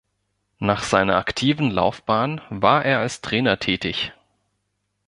Nach seiner aktiven Laufbahn war er als Trainer tätig.